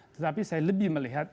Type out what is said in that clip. tetapi saya lebih melihatnya